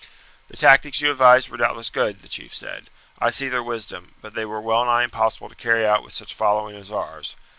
"The tactics you advised were doubtless good," the chief said; "I see their wisdom, but they are well nigh impossible to carry out with such following as ours.